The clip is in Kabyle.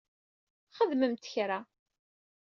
Xedmemt kra!